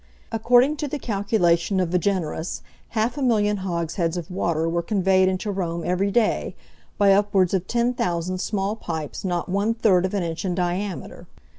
According to the calculation of Vigenerus, half a million hogsheads of water were conveyed into Rome every day, by upwards of 10,000 small pipes not one third of an inch in diameter.